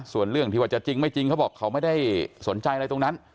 ส่วนเรื่องที่ว่าจะจริงไม่จริงเขาบอกเขาไม่ได้สนใจอะไรตรงนั้น